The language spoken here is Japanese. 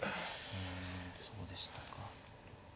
うんそうでしたか。